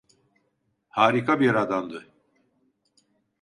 Harika bir adamdı.